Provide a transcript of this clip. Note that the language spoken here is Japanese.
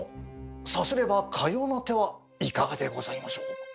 さすればかような手はいかがでございましょう？